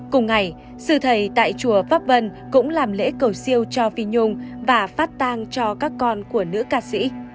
cùng ngày sư thầy tại chùa pháp vân cũng làm lễ cầu siêu cho phi nhung và phát tang cho nữ ca sĩ